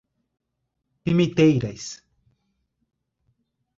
Pimenteiras